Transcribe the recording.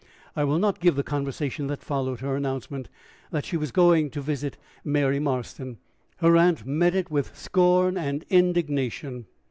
I will not give the conversation that followed her announcement that she was going to visit Mary Marston. Her aunt met it with scorn and indignation.